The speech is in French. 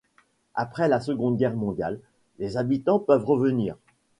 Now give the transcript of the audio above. Après la Seconde Guerre mondiale, les habitants peuvent revenir.